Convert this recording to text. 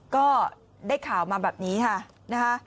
ก็ได้ข่าวมาแบบนี้ค่ะนะคะ